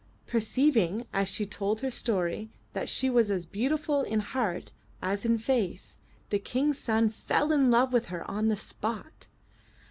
Perceiving as she told her story that she was as beautiful in heart as in face, the King's son fell in love with her on the spot.